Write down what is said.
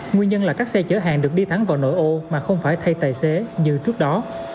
nguyên nhân là các xe chở hàng được đi thẳng vào nội ô mà không phải thay tài xế như trước đó